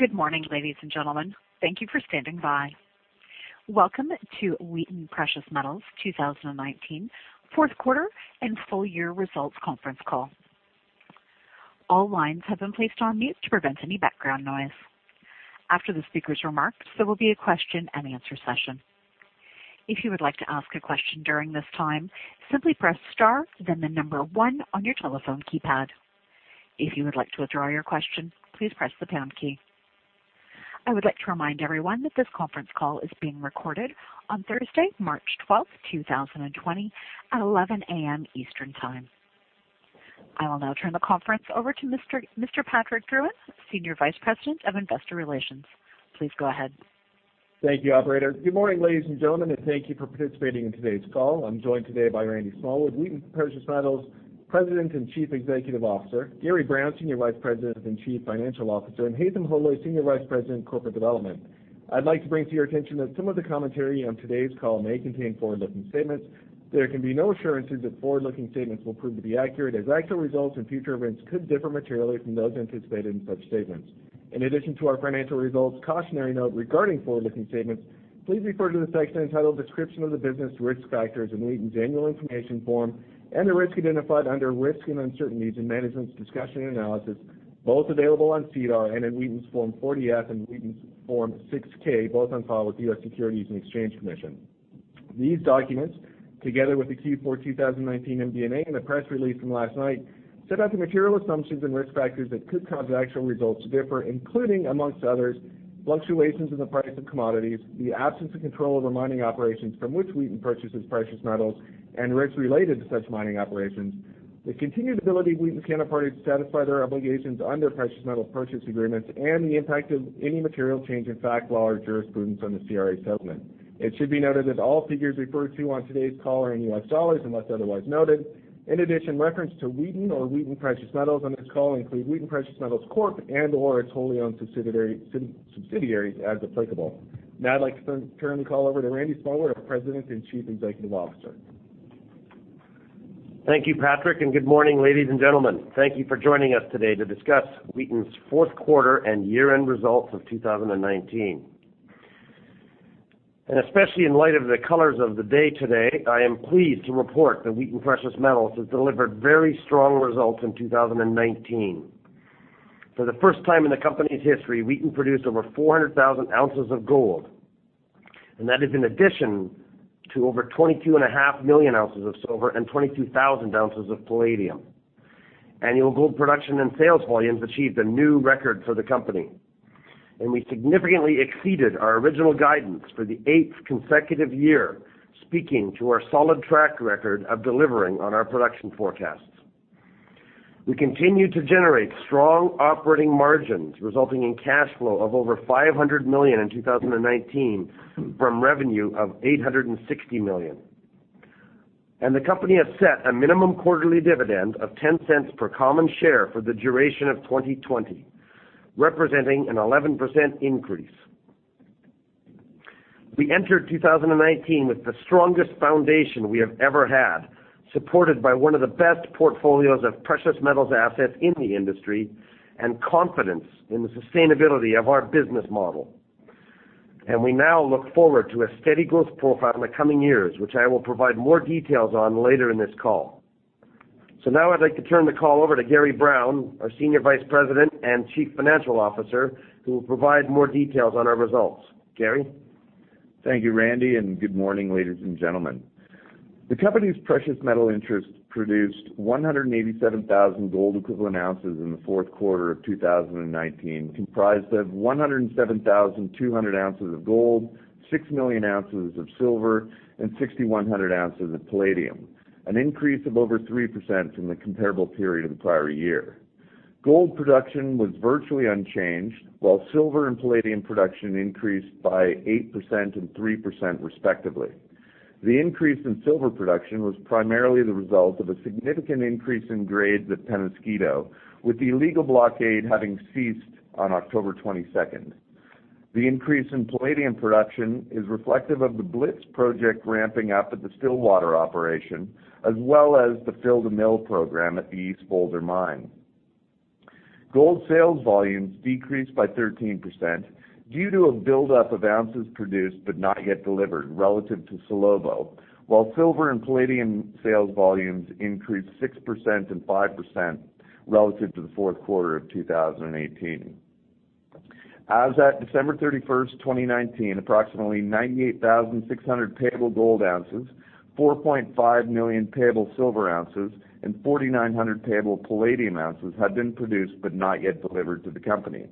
Good morning, ladies and gentlemen. Thank you for standing by. Welcome to Wheaton Precious Metals 2019 fourth quarter and full year results conference call. All lines have been placed on mute to prevent any background noise. After the speakers' remarks, there will be a question and answer session. If you would like to ask a question during this time, simply press star then the number one on your telephone keypad. If you would like to withdraw your question, please press the pound key. I would like to remind everyone that this conference call is being recorded on Thursday, March 12, 2020, at 11:00 AM Eastern Time. I will now turn the conference over to Mr. Patrick Drouin, Senior Vice President of Investor Relations. Please go ahead. Thank you, operator. Good morning, ladies and gentlemen, and thank you for participating in today's call. I'm joined today by Randy Smallwood, Wheaton Precious Metals President and Chief Executive Officer, Gary Brown, Senior Vice President and Chief Financial Officer, and Haytham Hodaly, Senior Vice President of Corporate Development. I'd like to bring to your attention that some of the commentary on today's call may contain forward-looking statements. There can be no assurances that forward-looking statements will prove to be accurate, as actual results and future events could differ materially from those anticipated in such statements. In addition to our financial results cautionary note regarding forward-looking statements, please refer to the section entitled Description of the Business Risk Factors in Wheaton's annual information form and the risk identified under Risk and Uncertainties in Management's Discussion and Analysis, both available on SEDAR and in Wheaton's Form 40-F and Wheaton's Form 6-K, both on file with the U.S. Securities and Exchange Commission. These documents, together with the Q4 2019 MD&A and the press release from last night, set out the material assumptions and risk factors that could cause actual results to differ, including, among others, fluctuations in the price of commodities, the absence of control over mining operations from which Wheaton purchases precious metals, and risks related to such mining operations, the continued ability of Wheaton's counterparties to satisfy their obligations under precious metal purchase agreements, and the impact of any material change in fact law or jurisprudence on the CRA settlement. It should be noted that all figures referred to on today's call are in US dollars, unless otherwise noted. In addition, reference to Wheaton or Wheaton Precious Metals on this call include Wheaton Precious Metals Corp. and/or its wholly owned subsidiaries as applicable. I'd like to turn the call over to Randy Smallwood, our President and Chief Executive Officer. Thank you, Patrick. Good morning, ladies and gentlemen. Thank you for joining us today to discuss Wheaton's fourth quarter and year-end results of 2019. Especially in light of the colors of the day today, I am pleased to report that Wheaton Precious Metals has delivered very strong results in 2019. For the first time in the company's history, Wheaton produced over 400,000 ounces of gold, and that is in addition to over 22.5 million ounces of silver and 22,000 ounces of palladium. Annual gold production and sales volumes achieved a new record for the company, and we significantly exceeded our original guidance for the eighth consecutive year, speaking to our solid track record of delivering on our production forecasts. We continue to generate strong operating margins, resulting in cash flow of over $500 million in 2019 from revenue of $860 million. The company has set a minimum quarterly dividend of $0.10 per common share for the duration of 2020, representing an 11% increase. We entered 2019 with the strongest foundation we have ever had, supported by one of the best portfolios of precious metals assets in the industry and confidence in the sustainability of our business model. We now look forward to a steady growth profile in the coming years, which I will provide more details on later in this call. Now I'd like to turn the call over to Gary Brown, our Senior Vice President and Chief Financial Officer, who will provide more details on our results. Gary? Thank you, Randy, good morning, ladies and gentlemen. The company's precious metal interest produced 187,000 gold equivalent ounces in the fourth quarter of 2019, comprised of 107,200 ounces of gold, 6 million ounces of silver, and 6,100 ounces of palladium, an increase of over 3% from the comparable period of the prior year. Gold production was virtually unchanged, while silver and palladium production increased by 8% and 3% respectively. The increase in silver production was primarily the result of a significant increase in grades at Penasquito, with the illegal blockade having ceased on 22nd October. The increase in palladium production is reflective of the Blitz project ramping up at the Stillwater operation, as well as the Fill the Mill program at the East Boulder mine. Gold sales volumes decreased by 13% due to a buildup of ounces produced but not yet delivered relative to Salobo, while silver and palladium sales volumes increased 6% and 5% relative to the fourth quarter of 2018. As at 31 December, 2019, approximately 98,600 Payable Gold Ounces, 4.5 million Payable Silver Ounces, and 4,900 Payable Palladium Ounces had been produced but not yet delivered to the company,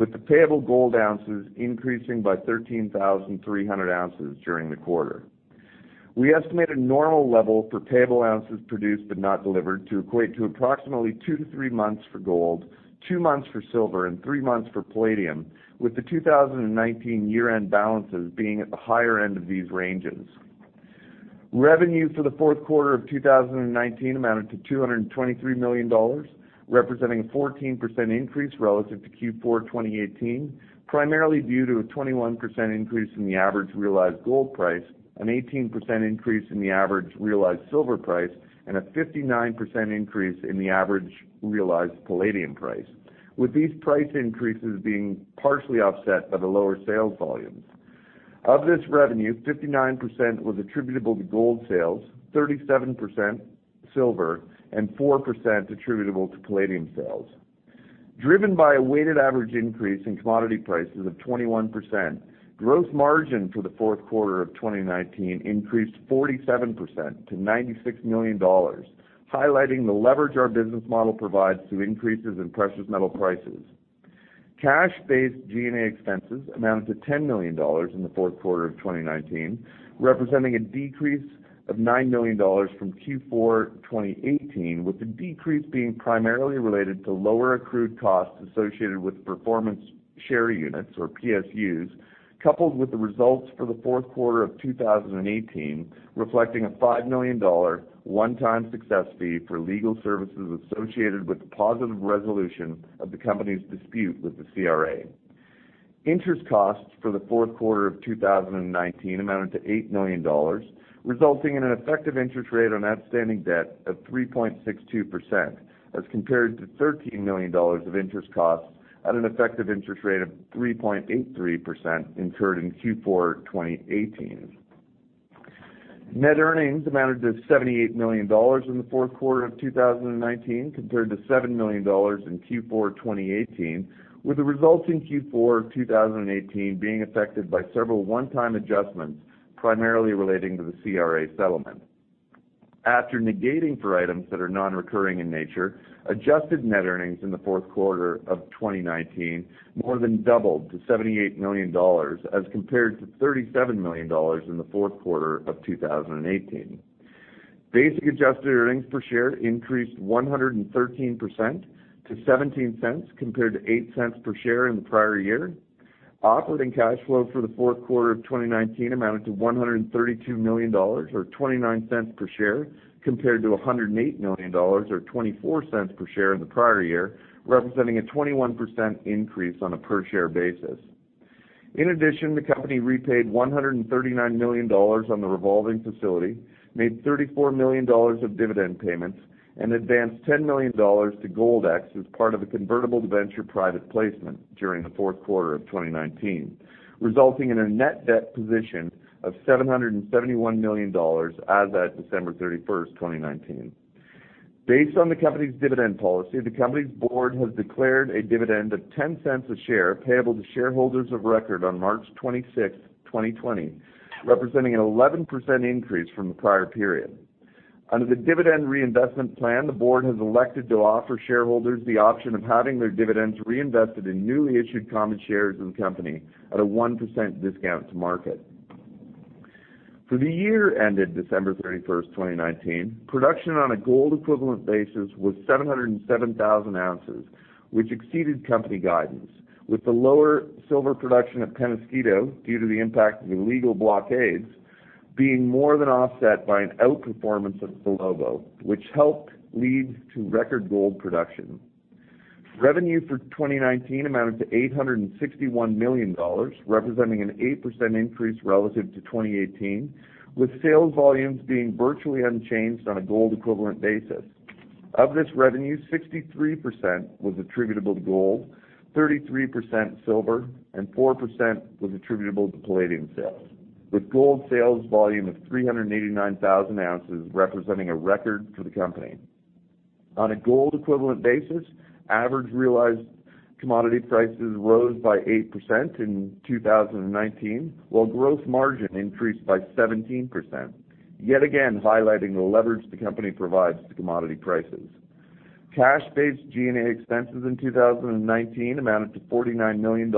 with the Payable Gold Ounces increasing by 13,300 ounces during the quarter. We estimate a normal level for Payable Ounces Produced But Not Delivered to equate to approximately two-three months for gold, two months for silver, and three months for palladium, with the 2019 year-end balances being at the higher end of these ranges. Revenue for the fourth quarter of 2019 amounted to $223 million, representing a 14% increase relative to Q4 2018, primarily due to a 21% increase in the average realized gold price, an 18% increase in the average realized silver price, and a 59% increase in the average realized palladium price, with these price increases being partially offset by the lower sales volumes. Of this revenue, 59% was attributable to gold sales, 37% silver, and 4% attributable to palladium sales. Driven by a weighted average increase in commodity prices of 21%, gross margin for the fourth quarter of 2019 increased 47% to $96 million, highlighting the leverage our business model provides to increases in precious metal prices. Cash-based G&A expenses amounted to $10 million in the fourth quarter of 2019, representing a decrease of $9 million from Q4 2018, with the decrease being primarily related to lower accrued costs associated with performance share units, or PSUs, coupled with the results for the fourth quarter of 2018, reflecting a $5 million one-time success fee for legal services associated with the positive resolution of the company's dispute with the CRA. Interest costs for the fourth quarter of 2019 amounted to $8 million, resulting in an effective interest rate on outstanding debt of 3.62%, as compared to $13 million of interest costs at an effective interest rate of 3.83% incurred in Q4 2018. Net earnings amounted to $78 million in the fourth quarter of 2019, compared to $7 million in Q4 2018, with the results in Q4 2018 being affected by several one-time adjustments, primarily relating to the CRA settlement. After negating for items that are non-recurring in nature, adjusted net earnings in the fourth quarter of 2019 more than doubled to $78 million, as compared to $37 million in the fourth quarter of 2018. Basic adjusted earnings per share increased 113% to $0.17, compared to $0.08 per share in the prior year. Operating cash flow for the fourth quarter of 2019 amounted to $132 million, or $0.29 per share, compared to $108 million or $0.24 per share in the prior year, representing a 21% increase on a per share basis. In addition, the company repaid $139 million on the revolving facility, made $34 million of dividend payments, and advanced $10 million to Gold X as part of a convertible debenture private placement during the fourth quarter of 2019, resulting in a net debt position of $771 million as at 31st December, 2019. Based on the company's dividend policy, the company's board has declared a dividend of $0.10 a share payable to shareholders of record on 26th March, 2020, representing an 11% increase from the prior period. Under the dividend reinvestment plan, the board has elected to offer shareholders the option of having their dividends reinvested in newly issued common shares of the company at a 1% discount to market. For the year ended 31st December, 2019, production on a gold equivalent basis was 707,000 ounces, which exceeded company guidance, with the lower silver production at Penasquito due to the impact of illegal blockades being more than offset by an outperformance of Salobo, which helped lead to record gold production. Revenue for 2019 amounted to $861 million, representing an 8% increase relative to 2018, with sales volumes being virtually unchanged on a gold equivalent basis. Of this revenue, 63% was attributable to gold, 33% silver, and 4% was attributable to palladium sales, with gold sales volume of 389,000 ounces representing a record for the company. On a gold equivalent basis, average realized commodity prices rose by 8% in 2019, while gross margin increased by 17%, yet again highlighting the leverage the company provides to commodity prices. Cash-based G&A expenses in 2019 amounted to $49 million,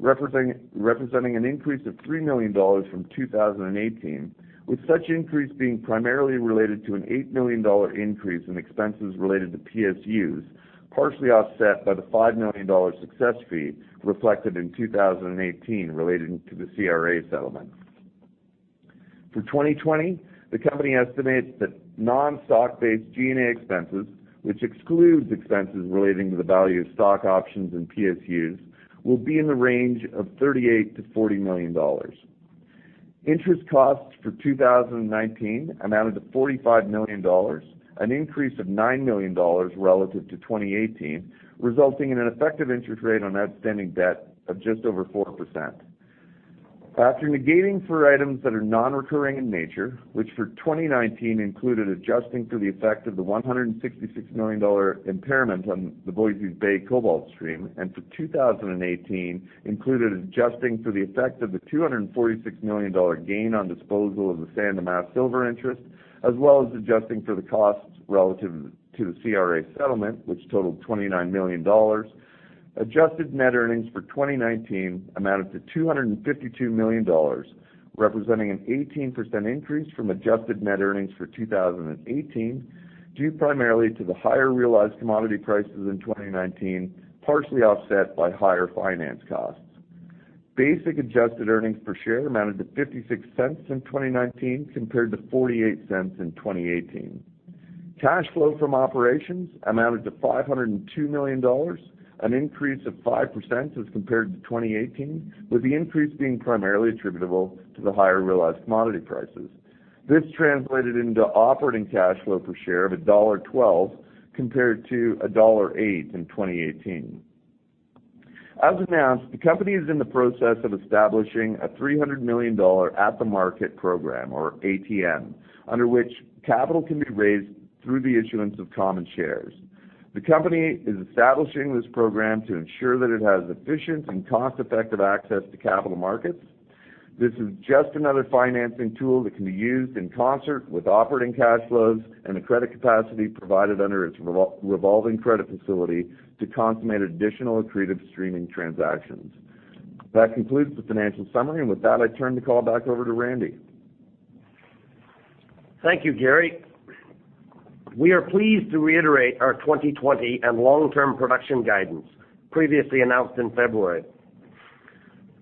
representing an increase of $3 million from 2018, with such increase being primarily related to an $8 million increase in expenses related to PSUs, partially offset by the $5 million success fee reflected in 2018 relating to the CRA settlement. For 2020, the company estimates that non-stock-based G&A expenses, which excludes expenses relating to the value of stock options and PSUs, will be in the range of $38 million-$40 million. Interest costs for 2019 amounted to $45 million, an increase of $9 million relative to 2018, resulting in an effective interest rate on outstanding debt of just over 4%. After negating for items that are non-recurring in nature, which for 2019 included adjusting for the effect of the $166 million impairment on the Voisey's Bay cobalt stream, and for 2018 included adjusting for the effect of the $246 million gain on disposal of the San Dimas silver interest, as well as adjusting for the costs relative to the CRA settlement, which totaled $29 million, adjusted net earnings for 2019 amounted to $252 million, representing an 18% increase from adjusted net earnings for 2018, due primarily to the higher realized commodity prices in 2019, partially offset by higher finance costs. Basic adjusted earnings per share amounted to $0.56 in 2019 compared to $0.48 in 2018. Cash flow from operations amounted to $502 million, an increase of 5% as compared to 2018, with the increase being primarily attributable to the higher realized commodity prices. This translated into operating cash flow per share of $1.12 compared to $1.08 in 2018. As announced, the company is in the process of establishing a $300 million at-the-market program, or ATM, under which capital can be raised through the issuance of common shares. The company is establishing this program to ensure that it has efficient and cost-effective access to capital markets. This is just another financing tool that can be used in concert with operating cash flows and the credit capacity provided under its revolving credit facility to consummate additional accretive streaming transactions. That concludes the financial summary, and with that, I turn the call back over to Randy. Thank you, Gary. We are pleased to reiterate our 2020 and long-term production guidance previously announced in February.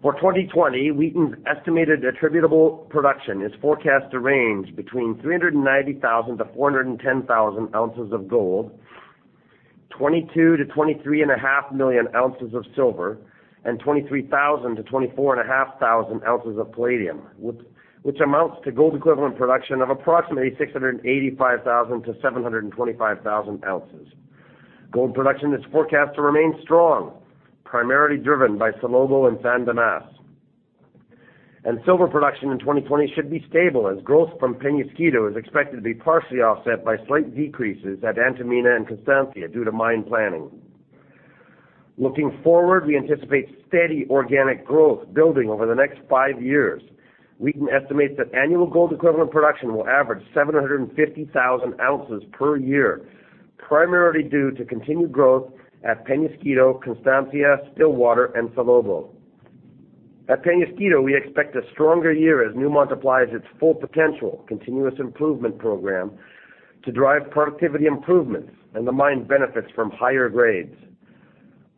For 2020, Wheaton's estimated attributable production is forecast to range between 390,000-410,000 ounces of gold, 22-23.5 million ounces of silver, and 23,000-24,500 ounces of palladium, which amounts to gold equivalent production of approximately 685,000-725,000 ounces. Gold production is forecast to remain strong, primarily driven by Salobo and San Dimas. Silver production in 2020 should be stable as growth from Penasquito is expected to be partially offset by slight decreases at Antamina and Constancia due to mine planning. Looking forward, we anticipate steady organic growth building over the next five years. Wheaton estimates that annual gold equivalent production will average 750,000 ounces per year, primarily due to continued growth at Penasquito, Constancia, Stillwater, and Salobo. At Penasquito, we expect a stronger year as Newmont applies its Full Potential continuous improvement program to drive productivity improvements, and the mine benefits from higher grades.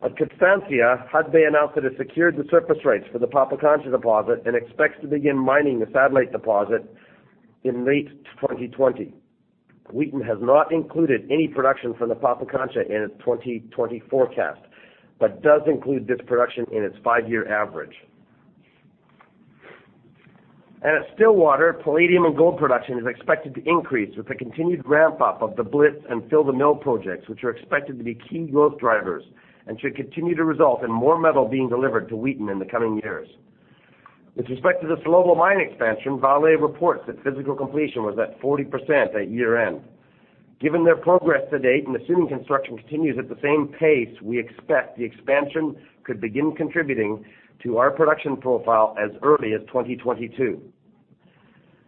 At Constancia, Hudbay announced that it secured the surface rights for the Pampacancha deposit and expects to begin mining the satellite deposit in late 2020. Wheaton has not included any production from the Pampacancha in its 2020 forecast, but does include this production in its five-year average. At Stillwater, palladium and gold production is expected to increase with the continued ramp-up of the Blitz and Fill the Mill projects, which are expected to be key growth drivers and should continue to result in more metal being delivered to Wheaton in the coming years. With respect to the Salobo mine expansion, Vale reports that physical completion was at 40% at year-end. Given their progress to date, and assuming construction continues at the same pace, we expect the expansion could begin contributing to our production profile as early as 2022.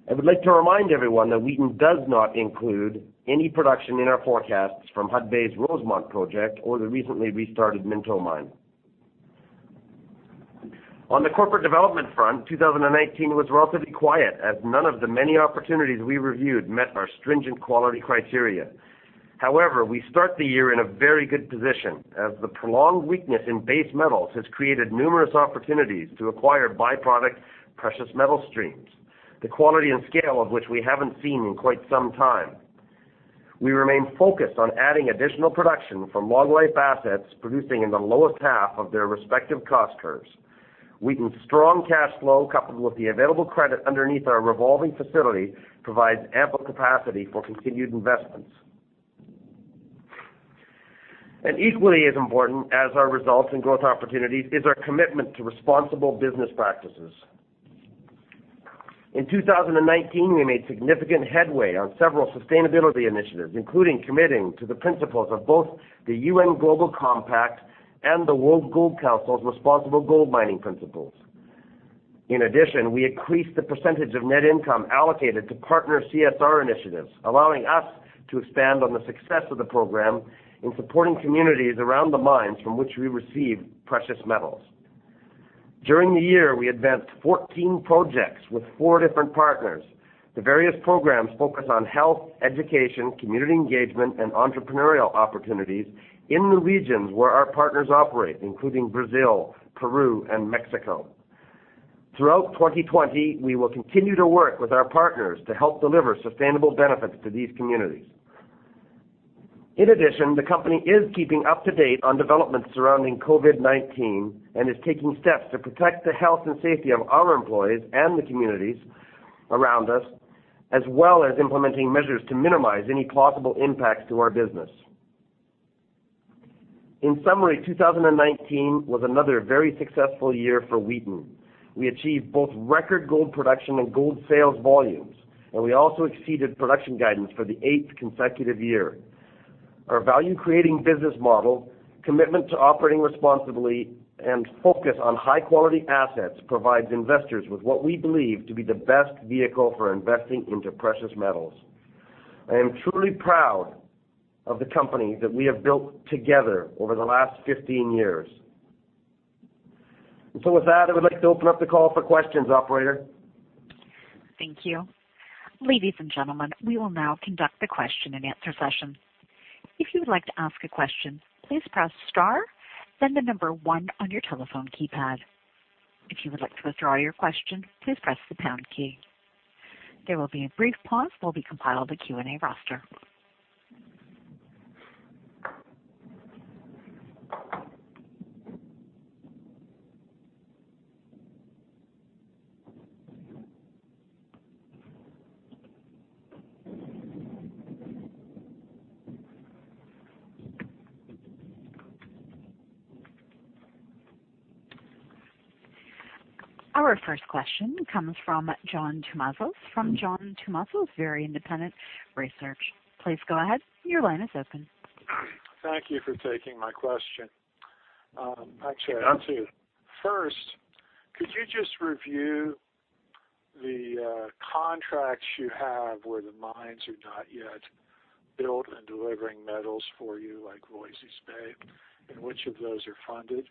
I would like to remind everyone that Wheaton does not include any production in our forecasts from Hudbay's Rosemont project or the recently restarted Minto mine. On the corporate development front, 2019 was relatively quiet as none of the many opportunities we reviewed met our stringent quality criteria. However, we start the year in a very good position, as the prolonged weakness in base metals has created numerous opportunities to acquire by-product precious metal streams, the quality and scale of which we haven't seen in quite some time. We remain focused on adding additional production from long-life assets producing in the lowest half of their respective cost curves. Wheaton's strong cash flow, coupled with the available credit underneath our revolving facility, provides ample capacity for continued investments. Equally as important as our results and growth opportunities is our commitment to responsible business practices. In 2019, we made significant headway on several sustainability initiatives, including committing to the principles of both the UN Global Compact and the World Gold Council's responsible gold mining principles. In addition, we increased the percentage of net income allocated to partner CSR initiatives, allowing us to expand on the success of the program in supporting communities around the mines from which we receive precious metals. During the year, we advanced 14 projects with four different partners. The various programs focus on health, education, community engagement, and entrepreneurial opportunities in the regions where our partners operate, including Brazil, Peru, and Mexico. Throughout 2020, we will continue to work with our partners to help deliver sustainable benefits to these communities. In addition, the company is keeping up to date on developments surrounding COVID-19 and is taking steps to protect the health and safety of our employees and the communities around us, as well as implementing measures to minimize any plausible impacts to our business. In summary, 2019 was another very successful year for Wheaton. We achieved both record gold production and gold sales volumes, and we also exceeded production guidance for the eighth consecutive year. Our value-creating business model, commitment to operating responsibly, and focus on high-quality assets provides investors with what we believe to be the best vehicle for investing into precious metals. I am truly proud of the company that we have built together over the last 15 years. With that, I would like to open up the call for questions, operator. Thank you. Ladies and gentlemen, we will now conduct the question and answer session. If you would like to ask a question, please press star, then the number one on your telephone keypad. If you would like to withdraw your question, please press the pound key. There will be a brief pause while we compile the Q&A roster. Our first question comes from John Tumazos from John Tumazos Very Independent Research. Please go ahead. Your line is open. Thank you for taking my question. Actually, I have two. First, could you just review the contracts you have where the mines are not yet built and delivering metals for you, like Voisey's Bay, and which of those are funded,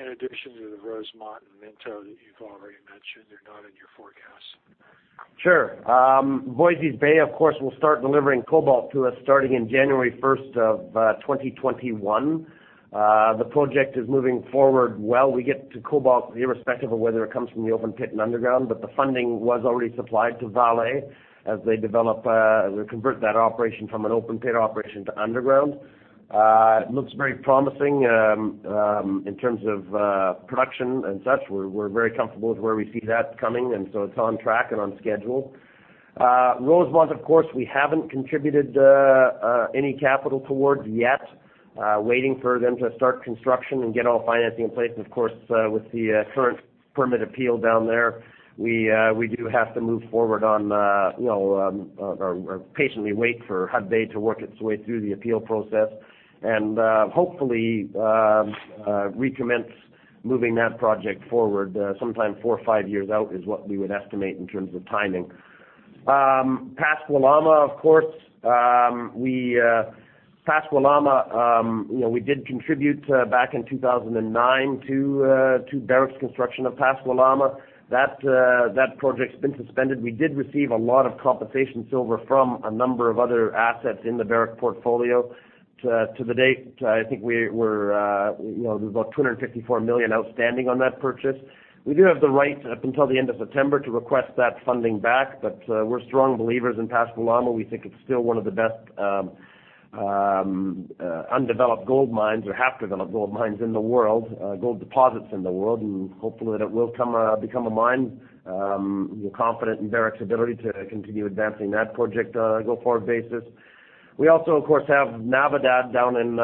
in addition to the Rosemont and Minto that you've already mentioned are not in your forecast? Sure. Voisey's Bay, of course, will start delivering cobalt to us starting in January 1, 2021. The project is moving forward well. We get to cobalt irrespective of whether it comes from the open pit and underground, but the funding was already supplied to Vale as they convert that operation from an open pit operation to underground. It looks very promising in terms of production and such. We're very comfortable with where we see that coming, it's on track and on schedule. Rosemont, of course, we haven't contributed any capital towards yet, waiting for them to start construction and get all financing in place. Of course, with the current permit appeal down there, we do have to move forward on or patiently wait for Hudbay to work its way through the appeal process. Hopefully, recommence moving that project forward sometime four or five years out is what we would estimate in terms of timing. Pascua Lama, we did contribute back in 2009 to Barrick's construction of Pascua Lama. That project's been suspended. We did receive a lot of compensation silver from a number of other assets in the Barrick portfolio. To the date, I think there's about $254 million outstanding on that purchase. We do have the right up until the end of September to request that funding back, but we're strong believers in Pascua Lama. We think it's still one of the best undeveloped gold mines or half-developed gold mines in the world, gold deposits in the world, and hopefully that will become a mine. We're confident in Barrick's ability to continue advancing that project on a go-forward basis. We also, of course, have Navidad down in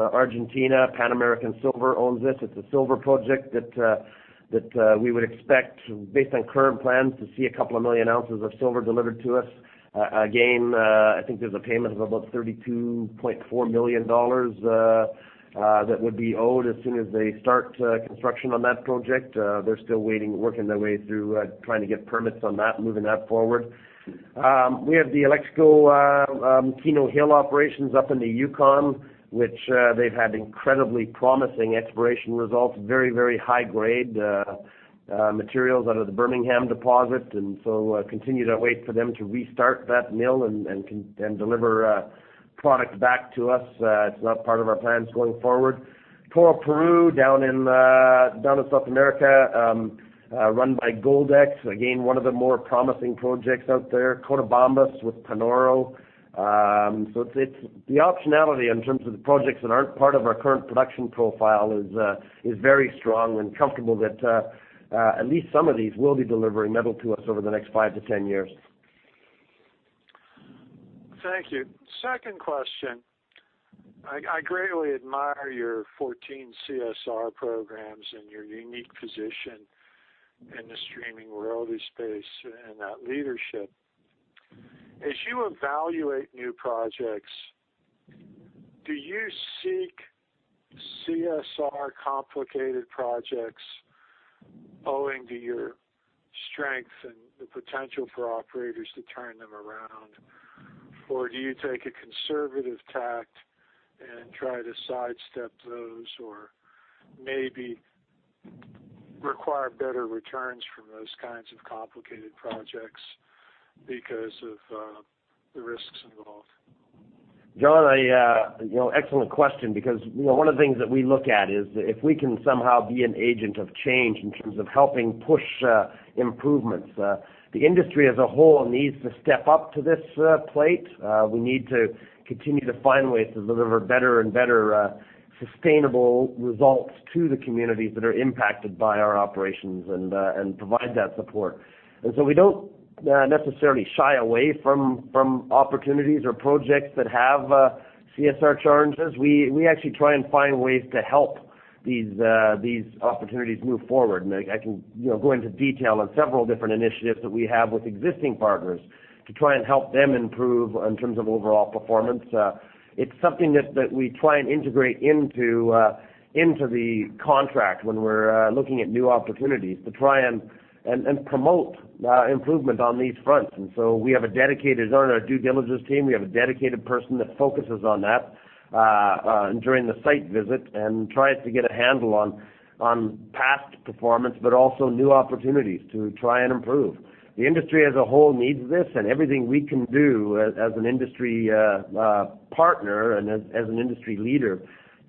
Argentina. Pan American Silver owns it. It's a silver project that we would expect, based on current plans, to see a couple of million ounces of silver delivered to us. I think there's a payment of about $32.4 million that would be owed as soon as they start construction on that project. They're still waiting, working their way through trying to get permits on that and moving that forward. We have the uncertain operations up in the Yukon, which they've had incredibly promising exploration results, very high grade materials out of the Bermingham deposit, continue to wait for them to restart that mill and deliver product back to us. It's not part of our plans going forward. uncertain down in South America, run by Gold X, again, one of the more promising projects out there. Cotabambas with Panoro. The optionality in terms of the projects that aren't part of our current production profile is very strong and comfortable that at least some of these will be delivering metal to us over the next five to 10 years. Thank you. Second question. I greatly admire your 14 CSR programs and your unique position in the streaming royalty space and that leadership. As you evaluate new projects, do you seek CSR complicated projects owing to your strength and the potential for operators to turn them around? Or do you take a conservative tact and try to sidestep those or maybe require better returns from those kinds of complicated projects because of the risks involved? John, excellent question because one of the things that we look at is if we can somehow be an agent of change in terms of helping push improvements. The industry as a whole needs to step up to this plate. We need to continue to find ways to deliver better and better sustainable results to the communities that are impacted by our operations and provide that support. We don't necessarily shy away from opportunities or projects that have CSR challenges. We actually try and find ways to help these opportunities move forward. I can go into detail on several different initiatives that we have with existing partners to try and help them improve in terms of overall performance. It's something that we try and integrate into the contract when we're looking at new opportunities to try and promote improvement on these fronts. We have a dedicated, on our due diligence team, we have a dedicated person that focuses on that during the site visit and tries to get a handle on past performance, but also new opportunities to try and improve. The industry as a whole needs this, and everything we can do as an industry partner and as an industry leader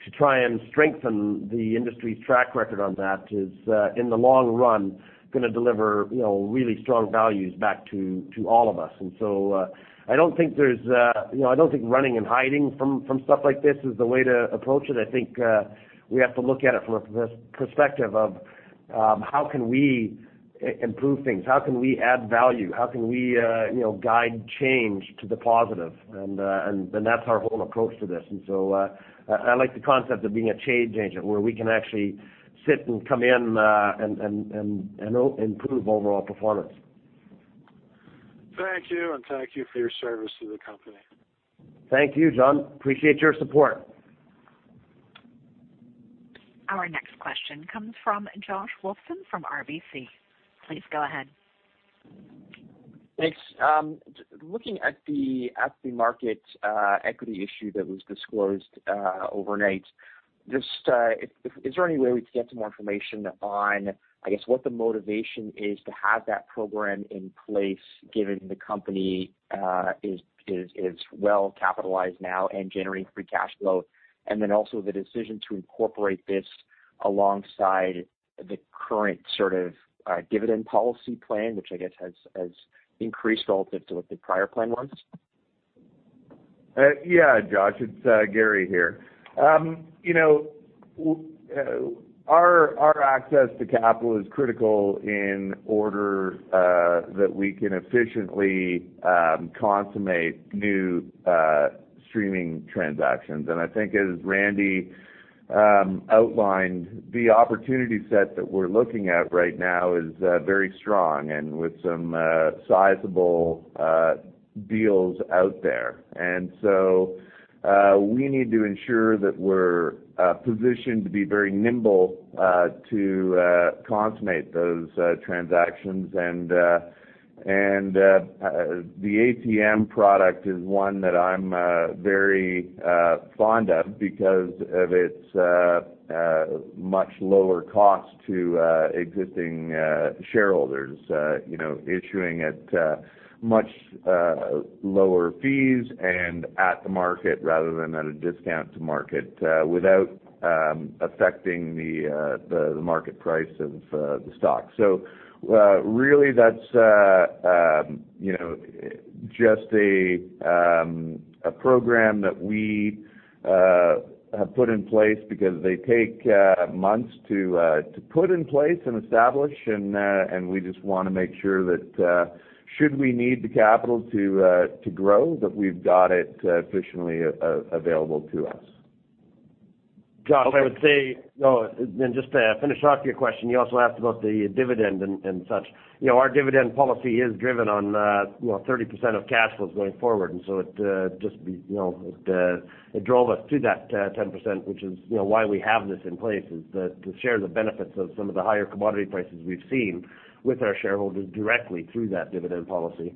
to try and strengthen the industry's track record on that is, in the long run, going to deliver really strong values back to all of us. I don't think running and hiding from stuff like this is the way to approach it. I think we have to look at it from a perspective of how can we improve things? How can we add value? How can we guide change to the positive? That's our whole approach to this. I like the concept of being a change agent where we can actually sit and come in and improve overall performance. Thank you, and thank you for your service to the company. Thank you, John. Appreciate your support. Our next question comes from Josh Wolfson from RBC. Please go ahead. Thanks. Looking at the at-the-market equity issue that was disclosed overnight, is there any way we can get some more information on, I guess, what the motivation is to have that program in place given the company is well-capitalized now and generating free cash flow? Also, the decision to incorporate this alongside the current sort of dividend policy plan, which I guess has increased relative to what the prior plan was. Yeah. Josh, it's Gary here. Our access to capital is critical in order that we can efficiently consummate new streaming transactions. I think as Randy outlined, the opportunity set that we're looking at right now is very strong and with some sizable deals out there. We need to ensure that we're positioned to be very nimble to consummate those transactions. The ATM product is one that I'm very fond of because of its much lower cost to existing shareholders, issuing at much lower fees and at the market rather than at a discount to market, without affecting the market price of the stock. Really that's just a program that we have put in place because they take months to put in place and establish, and we just want to make sure that should we need the capital to grow, that we've got it efficiently available to us. Josh, I would say, just to finish off your question, you also asked about the dividend and such. Our dividend policy is driven on 30% of cash flows going forward. It drove us to that 10%, which is why we have this in place, is that to share the benefits of some of the higher commodity prices we've seen with our shareholders directly through that dividend policy.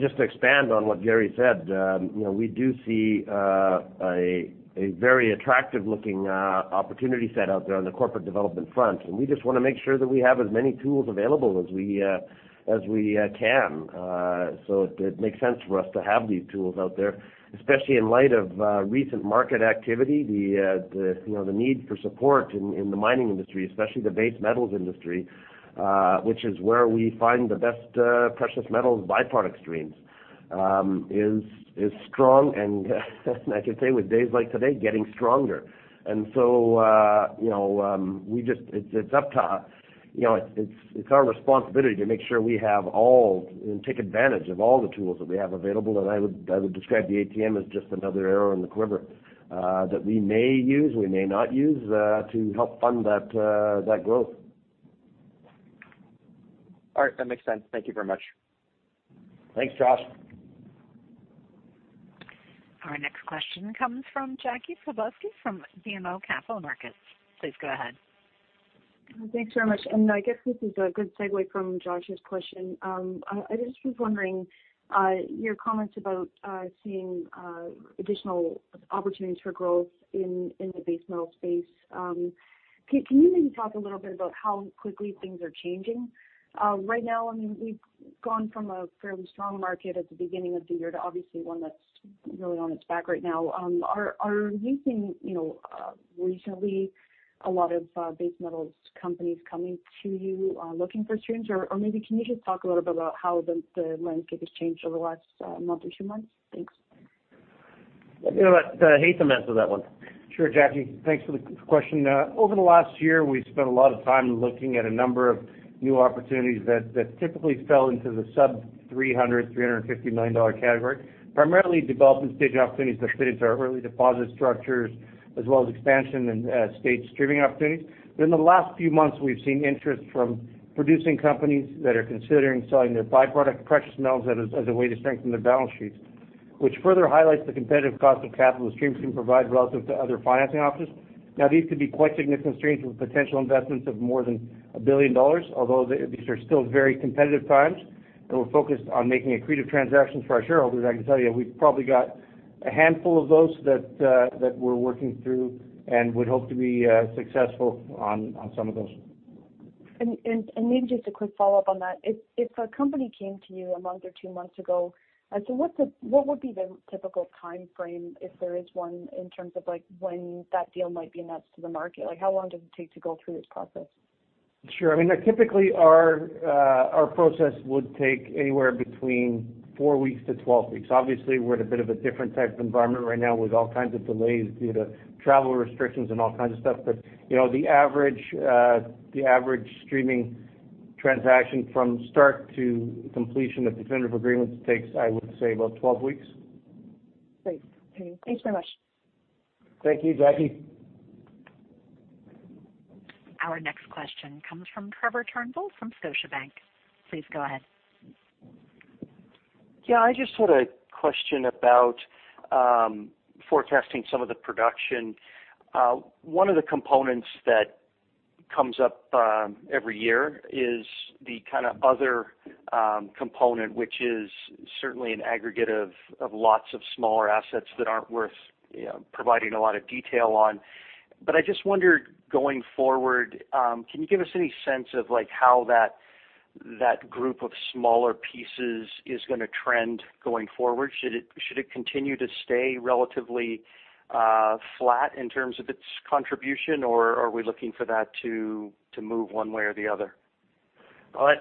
Just to expand on what Gary said, we do see a very attractive looking opportunity set out there on the corporate development front, and we just want to make sure that we have as many tools available as we can. It makes sense for us to have these tools out there, especially in light of recent market activity. The need for support in the mining industry, especially the base metals industry, which is where we find the best precious metals by-product streams, is strong, and I can say with days like today, getting stronger. It's our responsibility to make sure we have all, and take advantage of all the tools that we have available, and I would describe the ATM as just another arrow in the quiver that we may use, we may not use, to help fund that growth. All right. That makes sense. Thank you very much. Thanks, Josh. Our next question comes from Jackie Przybylowski from BMO Capital Markets. Please go ahead. Thanks very much. I guess this is a good segue from Josh's question. I just was wondering, your comments about seeing additional opportunities for growth in the base metal space. Can you maybe talk a little bit about how quickly things are changing? Right now, we've gone from a fairly strong market at the beginning of the year to obviously one that's really on its back right now. Are you seeing, recently, a lot of base metals companies coming to you looking for streams? Maybe can you just talk a little bit about how the landscape has changed over the last month or two months? Thanks. Let Heath answer that one. Sure, Jackie. Thanks for the question. Over the last year, we've spent a lot of time looking at a number of new opportunities that typically fell into the sub $300 million-$350 million category, primarily development stage opportunities that fit into our early deposit structures as well as expansion and stage streaming opportunities. In the last few months, we've seen interest from producing companies that are considering selling their by-product precious metals as a way to strengthen their balance sheets, which further highlights the competitive cost of capital that streams can provide relative to other financing options. These could be quite significant streams with potential investments of more than $1 billion, although these are still very competitive times, and we're focused on making accretive transactions for our shareholders. I can tell you we've probably got a handful of those that we're working through and would hope to be successful on some of those. Maybe just a quick follow-up on that. If a company came to you a month or two months ago, what would be the typical timeframe, if there is one, in terms of when that deal might be announced to the market? How long does it take to go through this process? Sure. Typically, our process would take anywhere between four weeks-12 weeks. Obviously, we're in a bit of a different type of environment right now with all kinds of delays due to travel restrictions and all kinds of stuff. The average streaming transaction from start to completion of definitive agreements takes, I would say, about 12 weeks. Great. Okay. Thanks very much. Thank you, Jackie. Our next question comes from Trevor Turnbull from Scotiabank. Please go ahead. Yeah, I just had a question about forecasting some of the production. One of the components that comes up every year is the kind of other component, which is certainly an aggregate of lots of smaller assets that aren't worth providing a lot of detail on. I just wondered, going forward, can you give us any sense of how that group of smaller pieces is going to trend going forward? Should it continue to stay relatively flat in terms of its contribution, or are we looking for that to move one way or the other? I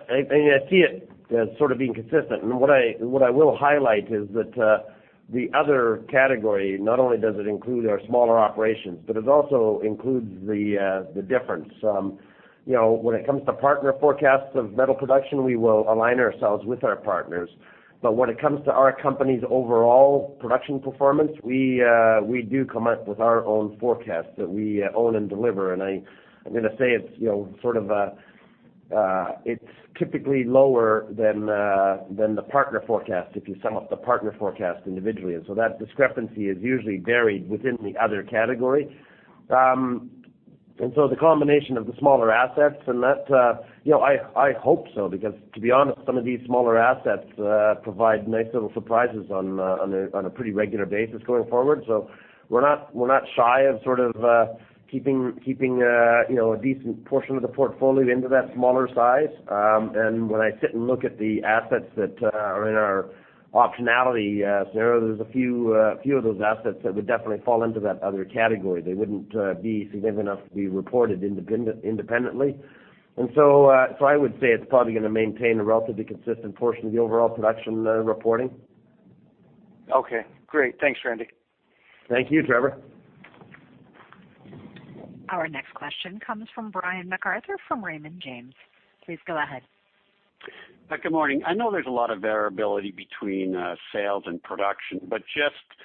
see it as sort of being consistent, and what I will highlight is that the other category, not only does it include our smaller operations, but it also includes the difference. When it comes to partner forecasts of metal production, we will align ourselves with our partners. When it comes to our company's overall production performance, we do come up with our own forecast that we own and deliver. I'm going to say it's typically lower than the partner forecast if you sum up the partner forecast individually, and so that discrepancy is usually buried within the other category. The combination of the smaller assets and that, I hope so, because, to be honest, some of these smaller assets provide nice little surprises on a pretty regular basis going forward. We're not shy of keeping a decent portion of the portfolio into that smaller size. When I sit and look at the assets that are in our optionality scenario, there's a few of those assets that would definitely fall into that other category. They wouldn't be significant enough to be reported independently. I would say it's probably going to maintain a relatively consistent portion of the overall production reporting. Okay, great. Thanks, Randy. Thank you, Trevor. Our next question comes from Brian MacArthur from Raymond James. Please go ahead. Good morning. I know there's a lot of variability between sales and production, just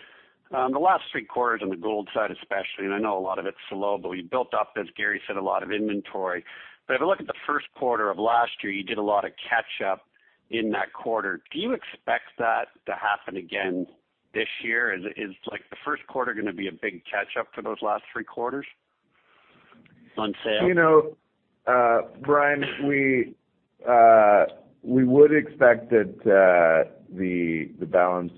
the last three quarters on the gold side especially, and I know a lot of it's low, we built up, as Gary said, a lot of inventory. If I look at the first quarter of last year, you did a lot of catch up in that quarter. Do you expect that to happen again this year? Is the first quarter going to be a big catch up for those last three quarters on sale? Brian, we would expect that the balance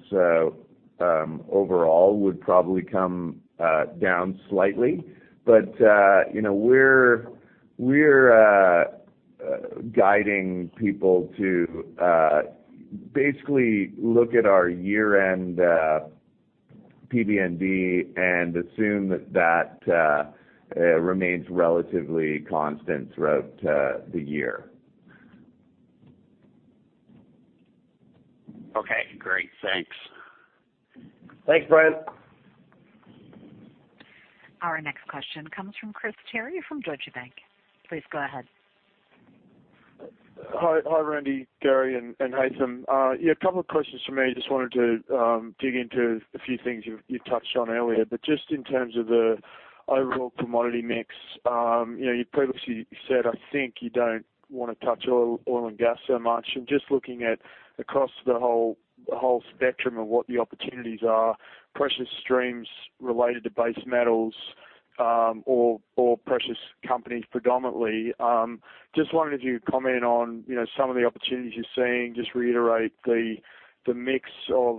overall would probably come down slightly. We're guiding people to basically look at our year-end PBND and assume that remains relatively constant throughout the year. Okay, great. Thanks. Thanks, Brian. Our next question comes from Chris Terry from Deutsche Bank. Please go ahead. Hi, Randy, Gary, and Haytham. A couple of questions from me. I just wanted to dig into a few things you touched on earlier, but just in terms of the overall commodity mix, you previously said, I think, you don't want to touch oil and gas so much. Just looking at across the whole spectrum of what the opportunities are, precious streams related to base metals or precious companies predominantly, just wondering if you could comment on some of the opportunities you're seeing, just reiterate the mix of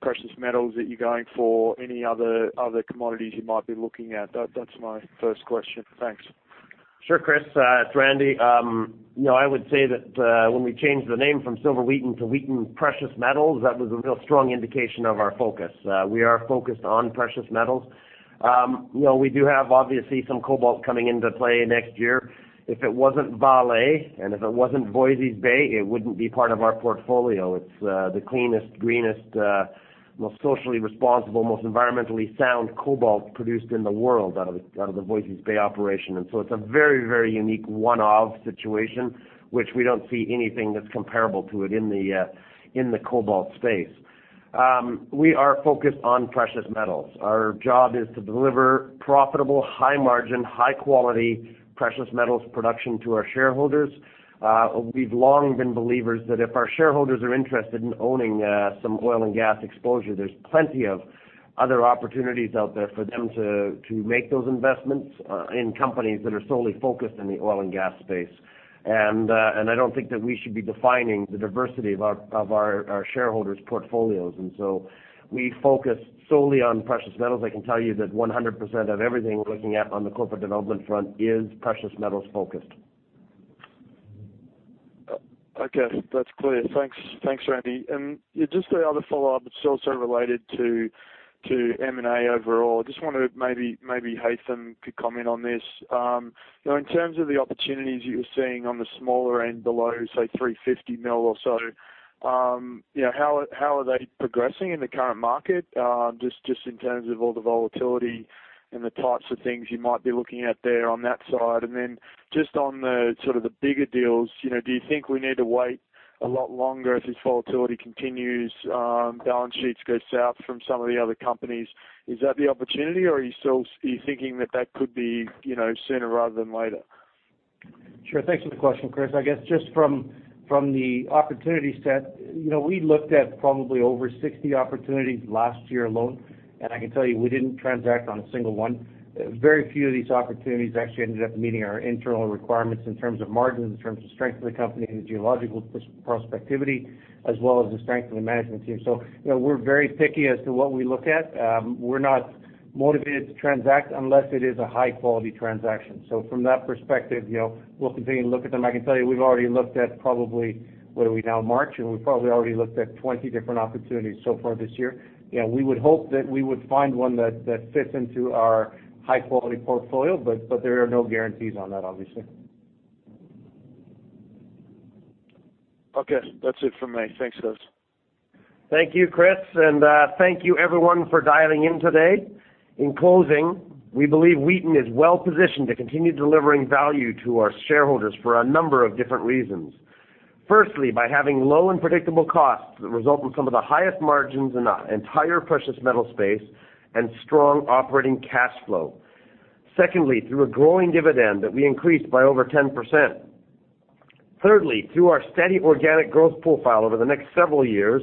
precious metals that you're going for, any other commodities you might be looking at. That's my first question. Thanks. Sure, Chris. It's Randy. I would say that when we changed the name from Silver Wheaton to Wheaton Precious Metals, that was a real strong indication of our focus. We are focused on precious metals. We do have, obviously, some cobalt coming into play next year. If it wasn't Vale, and if it wasn't Voisey's Bay, it wouldn't be part of our portfolio. It's the cleanest, greenest, most socially responsible, most environmentally sound cobalt produced in the world out of the Voisey's Bay operation. It's a very unique one-off situation, which we don't see anything that's comparable to it in the cobalt space. We are focused on precious metals. Our job is to deliver profitable, high margin, high quality precious metals production to our shareholders. We've long been believers that if our shareholders are interested in owning some oil and gas exposure, there's plenty of other opportunities out there for them to make those investments in companies that are solely focused in the oil and gas space. I don't think that we should be defining the diversity of our shareholders' portfolios, and so we focus solely on precious metals. I can tell you that 100% of everything we're looking at on the corporate development front is precious metals focused. Okay, that's clear. Thanks, Randy. Just the other follow-up, it's also related to M&A overall. I just wonder maybe Haytham could comment on this. In terms of the opportunities you were seeing on the smaller end below, say, $350 million or so, how are they progressing in the current market, just in terms of all the volatility and the types of things you might be looking at there on that side? Just on the sort of the bigger deals, do you think we need to wait a lot longer if this volatility continues, balance sheets go south from some of the other companies? Is that the opportunity, or are you thinking that that could be sooner rather than later? Sure. Thanks for the question, Chris. I guess just from the opportunity set, we looked at probably over 60 opportunities last year alone, and I can tell you, we didn't transact on a single one. Very few of these opportunities actually ended up meeting our internal requirements in terms of margins, in terms of strength of the company, the geological prospectivity, as well as the strength of the management team. We're very picky as to what we look at. We're not motivated to transact unless it is a high-quality transaction. From that perspective, we'll continue to look at them. I can tell you, we've already looked at probably, what are we now? March? We probably already looked at 20 different opportunities so far this year. We would hope that we would find one that fits into our high-quality portfolio, but there are no guarantees on that, obviously. Okay. That's it from me. Thanks, guys. Thank you, Chris, and thank you everyone for dialing in today. In closing, we believe Wheaton is well-positioned to continue delivering value to our shareholders for a number of different reasons. Firstly, by having low and predictable costs that result in some of the highest margins in the entire precious metal space and strong operating cash flow. Secondly, through a growing dividend that we increased by over 10%. Thirdly, through our steady organic growth profile over the next several years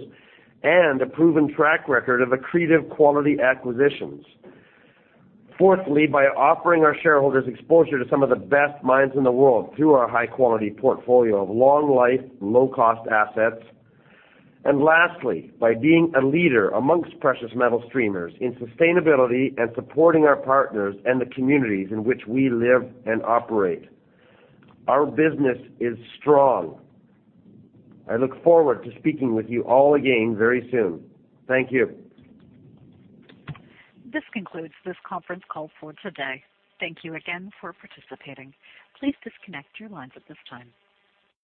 and a proven track record of accretive quality acquisitions. Fourthly, by offering our shareholders exposure to some of the best mines in the world through our high-quality portfolio of long life, low-cost assets. Lastly, by being a leader amongst precious metal streamers in sustainability and supporting our partners and the communities in which we live and operate. Our business is strong. I look forward to speaking with you all again very soon. Thank you. This concludes this conference call for today. Thank you again for participating. Please disconnect your lines at this time.